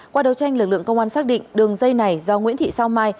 qua đấu tranh lực lượng công an xác định đường dây này do nguyễn thị sao mai